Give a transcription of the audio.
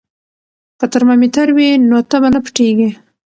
که ترمامیتر وي نو تبه نه پټیږي.